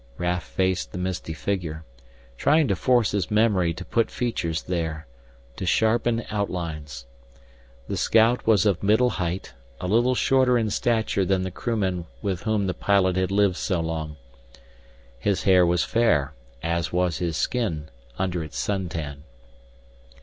Raf faced the misty figure, trying to force his memory to put features there, to sharpen outlines. The scout was of middle height, a little shorter in stature than the crewmen with whom the pilot had lived so long. His hair was fair, as was his skin under its sun tan.